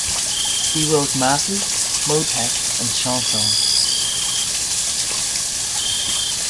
He wrote masses, motets and chansons.